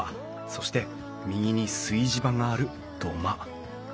そして右に炊事場がある土間。